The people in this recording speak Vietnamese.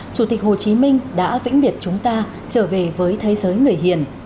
chủ tịch hồ chí minh đã vĩnh biệt chúng ta trở về với thế giới người hiền